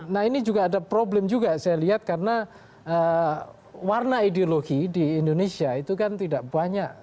nah ini juga ada problem juga saya lihat karena warna ideologi di indonesia itu kan tidak banyak